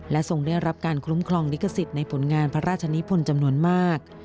และทรงได้รับการคลุ้มครองริกษิตรในผลงานพระราชนิพพลจำนวนมาก